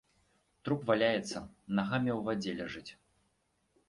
Труп валяецца, нагамі ў вадзе ляжыць.